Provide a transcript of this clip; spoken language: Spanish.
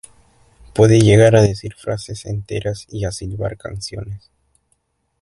Puede llegar a decir frases enteras y a silbar canciones.